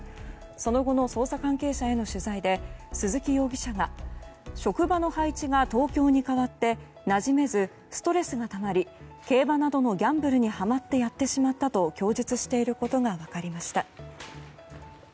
その後の捜査関係者への取材で鈴木容疑者が職場の配置が東京に変わってなじめずストレスがたまり競馬などのギャンブルにはまってやってしまったと供述していることが分かりました。